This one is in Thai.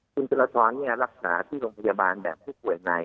คุณธิรทรรักษาที่โรงพยาบาลแบบผู้ป่วยใน